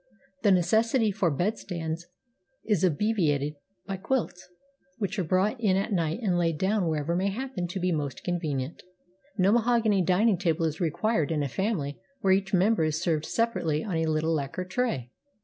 The necessity for bedsteads is obviated by quilts, which are brought in at night and laid down wherever may happen to be most convenient. No mahogany dining table is required in a family where each member is served separately on a little lacquer tray.